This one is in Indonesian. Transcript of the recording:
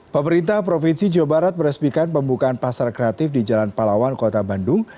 pemerintah provinsi jawa barat meresmikan pembukaan pasar kreatif di jalan palawan kota bandung